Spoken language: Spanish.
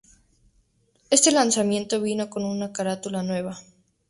Este lanzamiento vino con una carátula nueva.